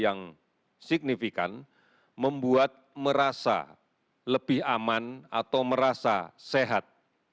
yang signifikan membuat merasa lebih aman atau merasa sehat